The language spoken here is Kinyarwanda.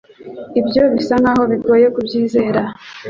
Ibyo bisa nkaho bigoye kubyizera.